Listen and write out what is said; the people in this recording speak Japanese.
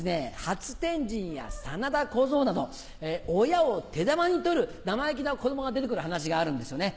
『初天神』や『真田小僧』など親を手玉に取る生意気な子供が出て来る噺があるんですよね。